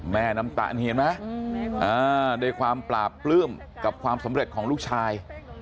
น้ำตาลนี่เห็นไหมด้วยความปราบปลื้มกับความสำเร็จของลูกชาย